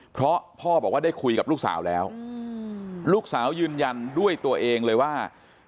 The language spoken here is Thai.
เพราะพ่อบอกว่าได้คุยกับลูกสาวแล้วลูกสาวยืนยันด้วยตัวเองเลยว่า